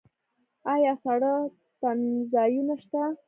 آیا ساړه ساتنځایونه شته؟